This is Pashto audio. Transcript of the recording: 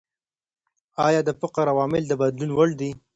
ايا د فقر عوامل د بدلون وړ دي؟